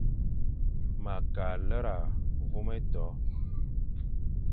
Ma kʼa lera vôm éto.